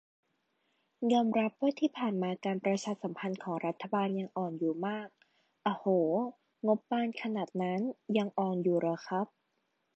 "ยอมรับว่าที่ผ่านมาการประชาสัมพันธ์ของรัฐบาลยังอ่อนอยู่มาก" อะโห งบบานขนาดนั้น ยังอ่อนอยู่เหรอครับ